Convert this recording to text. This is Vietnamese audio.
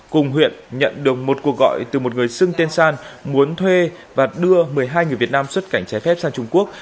cùng huyện nhận được một cuộc gọi từ một người xưng tên san muốn thuê và đưa một mươi hai người việt nam xuất cảnh trái phép sang trung quốc